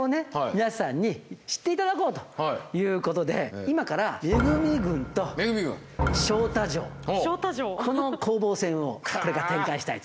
皆さんに知って頂こうということで今からこの攻防戦をこれから展開したいと。